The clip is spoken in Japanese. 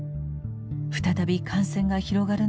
再び感染が広がる